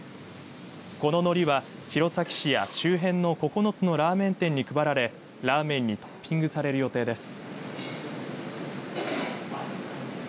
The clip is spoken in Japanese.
こののりは弘前市や周辺の９つのラーメン店に配られラーメンにトッピングされる予定です。